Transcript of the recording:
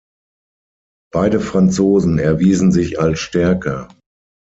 Beide Franzosen erwiesen sich als stärker.